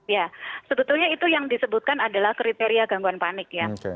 ya sebetulnya itu yang disebutkan adalah kriteria gangguan panik ya